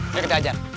ya kita ajar